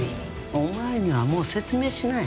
お前にはもう説明しない。